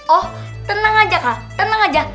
oh tenang aja kak tenang aja